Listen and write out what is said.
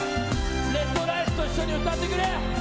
ＲＥＤＲＩＣＥと一緒に歌ってくれ。